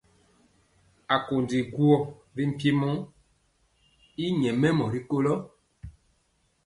Akondi guɔ ri mpiemɔ y nyɛmemɔ rikolo.